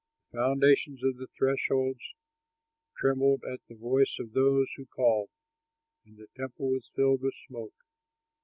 The foundations of the thresholds trembled at the voice of those who called, and the temple was filled with smoke.